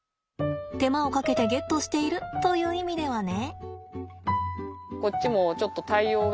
手間をかけてゲットしているという意味ではね。